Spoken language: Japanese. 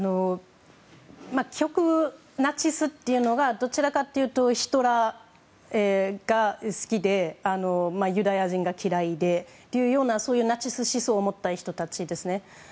極右ナチスというのがどちらかというとヒトラーが好きでユダヤ人が嫌いでというようなナチス思想を持った人たちですね。